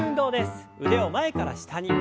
腕を前から下に。